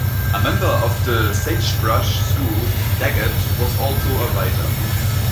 A member of the Sagebrush School, Daggett was also a writer.